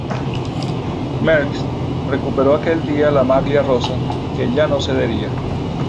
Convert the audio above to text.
Merckx recuperó aquel día la maglia rosa, que ya no cedería.